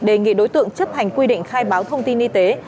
đề nghị đối tượng chấp hành quy định khai báo thông tin y tế